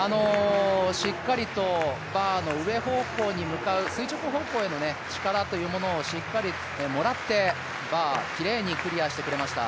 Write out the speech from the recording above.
しっかりとバーの上方向に向かう、垂直方向への力というものをしっかりもらって、バーきれいにクリアしてくれました。